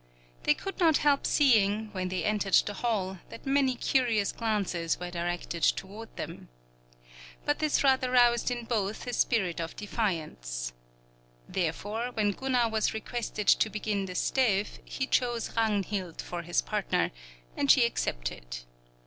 They could not help seeing, when they entered the hall, that many curious glances were directed toward them. But this rather roused in both a spirit of defiance. Therefore, when Gunnar was requested to begin the stev he chose Ragnhild for his partner, and she accepted.